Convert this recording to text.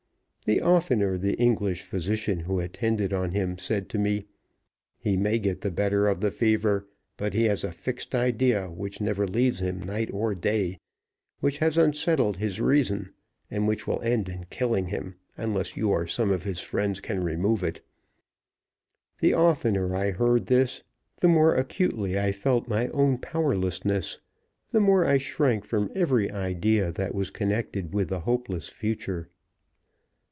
The oftener the English physician who attended on him said to me, "He may get the better of the fever, but he has a fixed idea, which never leaves him night or day, which has unsettled his reason, and which will end in killing him, unless you or some of his friends can remove it" the oftener I heard this, the more acutely I felt my own powerlessness, the more I shrank from every idea that was connected with the hopeless future.